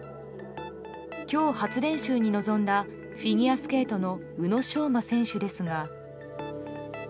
今日、初練習に臨んだフィギュアスケートの宇野昌磨選手ですが。